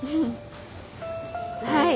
はい。